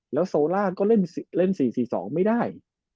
แล้วโซล่าก็เล่น๔๔๒ไม่ได้